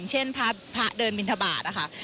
เช่นพระเดินบินทบาทนะคะ